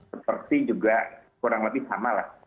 seperti juga kurang lebih sama lah